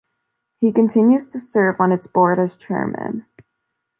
He continues to serve on its board as Chairman.